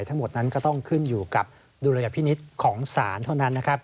ทั้งหมดนั้นก็ต้องขึ้นอยู่กับดุลยพินิษฐ์ของศาลเท่านั้นนะครับ